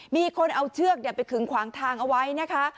มีคนเอาเชือกไปขึงขวางทางเอาไว้นะคะ